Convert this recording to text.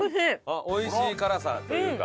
おいしい辛さというか。